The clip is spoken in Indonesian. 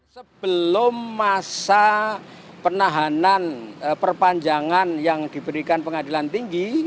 sebelum masa penahanan perpanjangan yang diberikan pengadilan tinggi